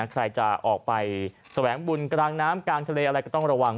ใครจะออกไปแสวงบุญกลางน้ำกลางทะเลอะไรก็ต้องระวัง